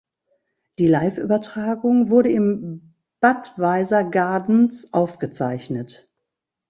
Die Liveübertragung wurde im Budweiser Gardens aufgezeichnet.